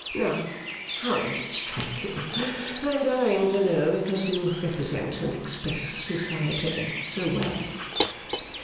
Now, how does it strike you? I am dying to know, because you represent and express Society so well.